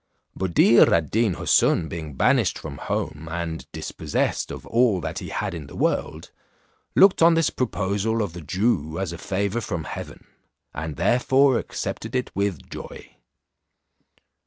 Buddir ad Deen Houssun being banished from home, and dispossessed of all that he had in the world, looked on this proposal of the Jew as a favour from heaven, and therefore accepted it with joy.